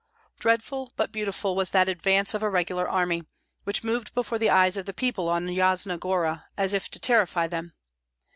Dreadful but beautiful was that advance of a regular army, which moved before the eyes of the people on Yasna Gora, as if to terrify them.